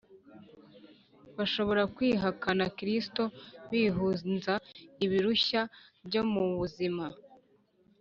bashobora kwihakana kristo bihunza ibirushya byo mu buzima,